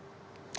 baik terima kasih